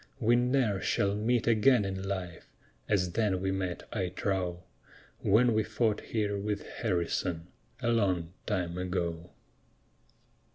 We ne'er shall meet again in life As then we met, I trow, When we fought here with Harrison, A long time ago.